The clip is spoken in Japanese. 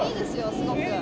すごく。